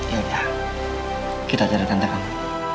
yaudah kita cari tante kamu